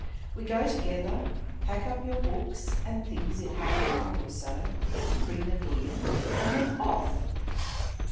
We go together, pack up your books and things in half an hour or so, bring them here, and then off!